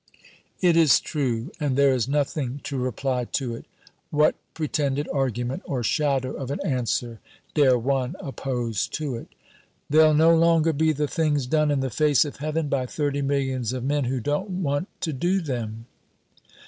It is true, and there is nothing to reply to it. What pretended argument or shadow of an answer dare one oppose to it "There'll no longer be the things done in the face of heaven by thirty millions of men who don't want to do them!"